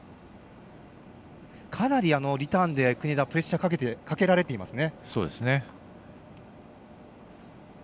かなり、リターンで国枝プレッシャーかけられていますね。